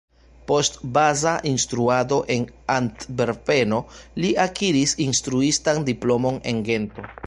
Post baza instruado en Antverpeno li akiris instruistan diplomon en Gento.